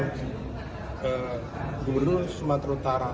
yang di gubernur sumatera utara